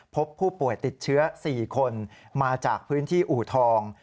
พบผู้ป่วยติดเชื้อ๔คนมาจากพื้นที่อูทอง